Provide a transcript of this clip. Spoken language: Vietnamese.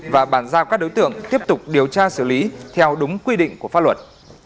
và bàn giao các đối tượng tiếp tục điều tra xử lý theo đúng quy định của pháp luật